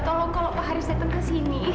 tolong kalau pak haris datang ke sini